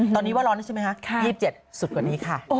ตอนนี้ว่าร้อนแล้วใช่ไหมคะ๒๗สุดกว่านี้ค่ะ